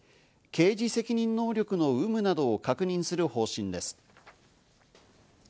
刑事責任能力の有無などを確認する方針です。